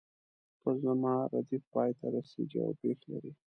په زما ردیف پای ته رسیږي او پیښ لري.